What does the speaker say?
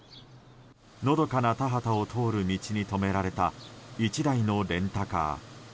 のどかな田畑を通る道に止められた１台のレンタカー。